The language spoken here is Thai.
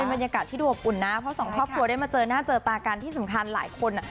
บรรยากาศที่ดูอบอุ่นนะเพราะสองครอบครัวได้มาเจอหน้าเจอตากันที่สำคัญหลายคน